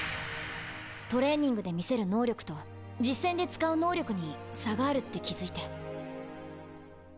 トレーニングで見せる能力と実戦で使う能力に差があるって気付いて。